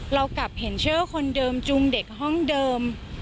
เรากลับเห็นชื่อคนเดิมจูงเด็กห้องเดิม